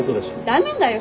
駄目だよ。